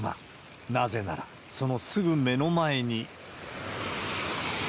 なぜなら、そのすぐ目の前に。